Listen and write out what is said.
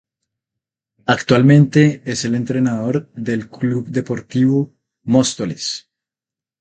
Actualmente es el entrenador del Club Deportivo Móstoles.